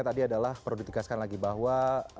tadi adalah perlu ditegaskan lagi bahwa